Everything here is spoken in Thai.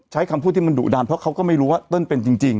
ใช้คำพูดที่มันดุดันเพราะเขาก็ไม่รู้ว่าเติ้ลเป็นจริง